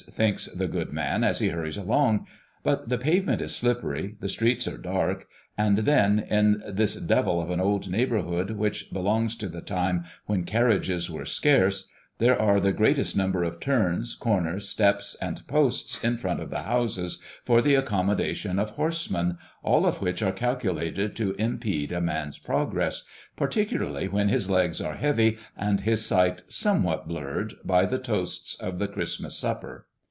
thinks the good man as he hurries along. But the pavement is slippery, the streets are dark, and then, in this devil of an old neighborhood which belongs to the time when carriages were scarce, there are the greatest number of turns, corners, steps, and posts in front of the houses for the accommodation of horsemen, all of which are calculated to impede a man's progress, particularly when his legs are heavy and his sight somewhat blurred by the toasts of the Christmas supper.